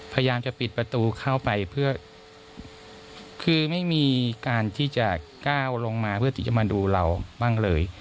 พยายามจะปิดประตูเข้าไปเพื่อคือไม่มีการที่จะก้าวลงมาเพื่อที่จะมาดูเราบ้างเลย